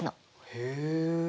へえ。